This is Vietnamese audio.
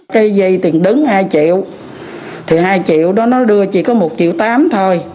cây dây tiền đứng hai triệu thì hai triệu đó nó đưa chỉ có một triệu tám thôi